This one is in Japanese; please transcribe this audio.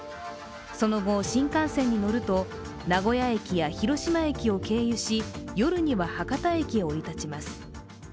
その後、新幹線に乗ると名古屋駅や広島駅を経由し夜には博多駅へ降り立ちます。